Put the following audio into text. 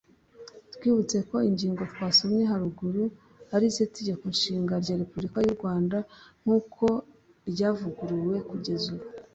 twibutse ko ingingo twasomye haruguru ari z’itegeko nshinga rya republika y’u rwanda nkuko ry’avuguruwe kugeza ubu.